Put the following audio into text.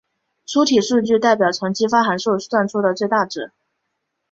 粗体数据代表从激发函数算出的最大值。